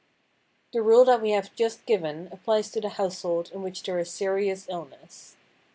The rule that we have just given applies to the household in which there is serious illness.